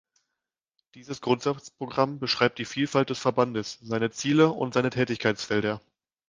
Dieses Grundsatzprogramm beschreibt die Vielfalt des Verbandes, seine Ziele und seine Tätigkeitsfelder.